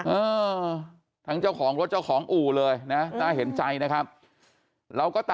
เออทั้งเจ้าของรถเจ้าของอู่เลยนะน่าเห็นใจนะครับเราก็ตาม